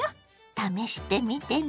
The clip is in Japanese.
試してみてね。